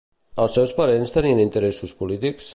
Els seus parents tenien interessos polítics?